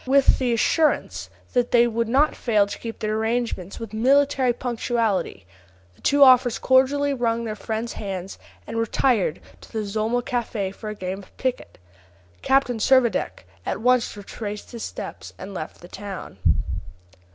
With the assurance that they would not fail to keep their appointment with military punctuality, the two officers cordially wrung their friend's hand and retired to the Zulma Cafe for a game at piquet. Captain Servadac at once retraced his steps and left the town.